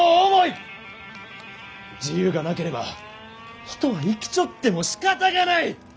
自由がなければ人は生きちょってもしかたがない！